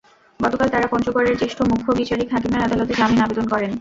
গতকাল তাঁরা পঞ্চগড়ের জ্যেষ্ঠ মুখ্য বিচারিক হাকিমের আদালতে জামিন আবেদন করেন।